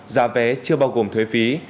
giá vé chưa bao gồm thuế phí